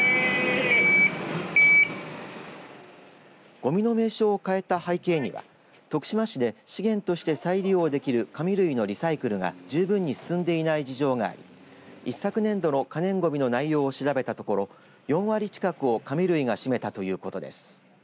ごみの名称を変えた背景には徳島市で資源として再利用できる紙類のリサイクルが十分に進んでいない事情があり一昨年度の可燃ごみの内容を調べたところ４割近くを紙類が占めたということです。